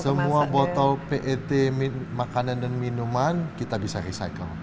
semua botol pet makanan dan minuman kita bisa recycle